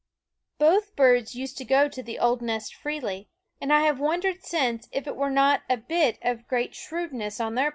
Both birds used to go to the old g nest freely ; and I have wondered since if it Q uos kh were not a bit of great shrewdness on their toffee